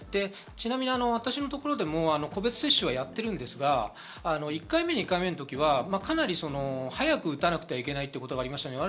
ちなみに私のところでも個別接種はやっているんですが、１回目、２回目の時はかなり早く打たなくてはいけないということがありました。